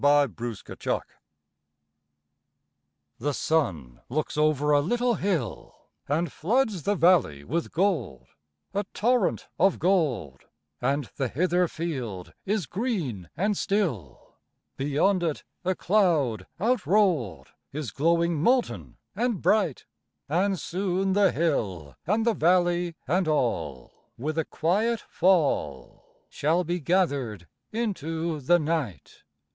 THE BIRD AND THE HOUR The sun looks over a little hill And floods the valley with gold A torrent of gold; And the hither field is green and still; Beyond it a cloud outrolled, Is glowing molten and bright; And soon the hill, and the valley and all, With a quiet fall, Shall be gathered into the night.